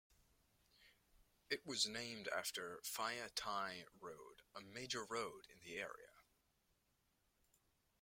It was named after Phaya Thai Road, a major road in the area.